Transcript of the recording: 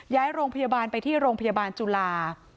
ย้ายโรงพยาบาลไปที่โรงพยาบาลจุฬา